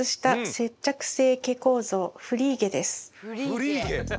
フリーゲ。